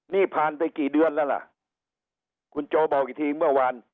นี่ผ่านไปกี่เดือนแล้วล่ะคุณโจบอกอีกทีเมื่อวาน